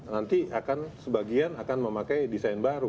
nanti akan sebagian akan memakai desain baru